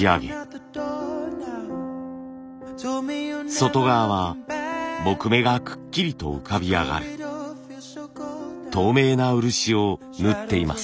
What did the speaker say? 外側は木目がくっきりと浮かび上がる透明な漆を塗っています。